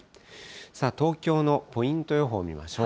さあ、東京のポイント予報を見ましょう。